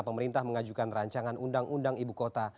pemerintah mengajukan rancangan undang undang ibu kota